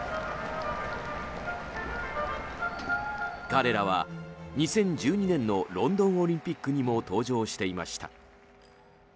彼らは２０１２年のロンドンオリンピックにも登場していました。